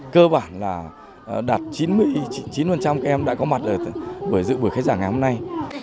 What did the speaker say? cơ bản là đạt chín mươi chín các em đã có mặt bởi dự buổi khai giảng ngày hôm nay